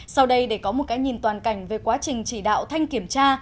sau đây để có một cái nhìn toàn cảnh về quá trình chỉ đạo thanh kiểm tra